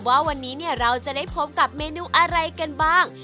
ว่าวันนี้เราจะได้พบกับเมนูอะไรกันบ้าง